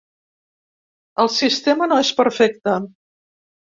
El sistema no és perfecte.